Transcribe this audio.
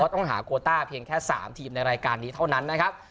ต้องหาโคต้าเพียงแค่๓ทีมในรายการนี้เท่านั้นนะครับ